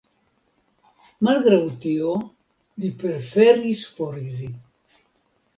Malgraŭ tio, li preferis foriri.